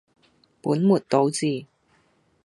本末倒置